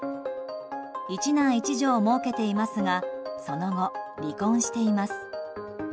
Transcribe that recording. １男１女をもうけていますがその後、離婚しています。